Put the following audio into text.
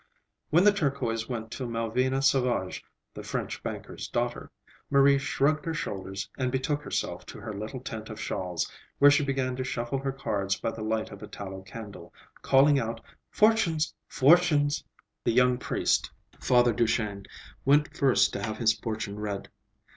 When the turquoise went to Malvina Sauvage, the French banker's daughter, Marie shrugged her shoulders and betook herself to her little tent of shawls, where she began to shuffle her cards by the light of a tallow candle, calling out, "Fortunes, fortunes!" The young priest, Father Duchesne, went first to have his fortune read.